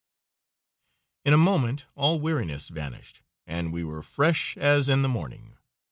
In a moment all weariness vanished, and we were fresh as in the morning.